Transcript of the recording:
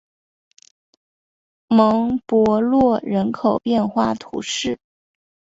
蒙博洛人口变化图示